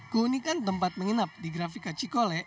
keunikan tempat menginap di grafika cikole